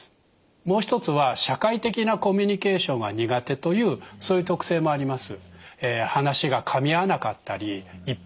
もう一つは社会的なコミュニケーションが苦手というそういう特性もあります。